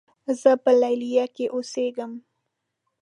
زۀ په لیلیه کې اوسېږم.